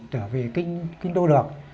trở về kinh đô được